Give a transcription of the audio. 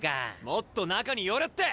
もっと中に寄れって。